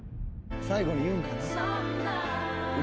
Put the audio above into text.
最後に言うんかな。